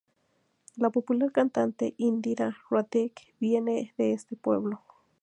La popular cantante Indira Radić viene de este pueblo.